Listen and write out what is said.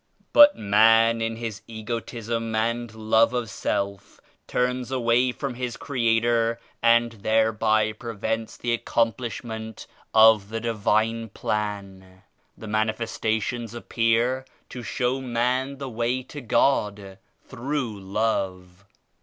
But man in his egotism and love of self turns away from his Creator and thereby prevents the accomplish 19 ment of the Divine Plan. The Manifestations appear to show man the way to God through Love.